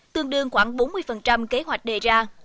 tương đương khoảng bốn mươi kế hoạch đề ra